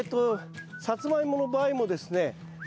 サツマイモの場合もですね